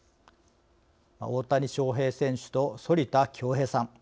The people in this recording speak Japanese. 大谷翔平選手と反田恭平さん。